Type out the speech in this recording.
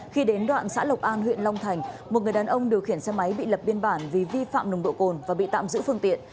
khi đến đoạn xã lộc an huyện long thành một người đàn ông điều khiển xe máy bị lập biên bản vì vi phạm nồng độ cồn và bị tạm giữ phương tiện